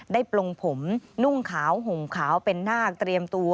ได้ปลงผมนุ่งขาวหงขาวเป็นหน้าเตรียมตัว